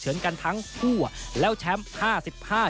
เตรียมป้องกันแชมป์ที่ไทยรัฐไฟล์นี้โดยเฉพาะ